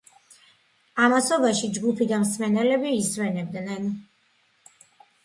ამასობაში ჯგუფი და მსმენელები ისვენებდნენ.